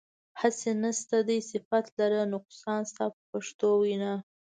هسې نشته دی صفت لره نقصان ستا په پښتو وینا.